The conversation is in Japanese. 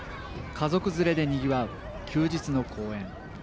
家族連れでにぎわう休日の公園。